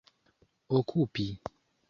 okupi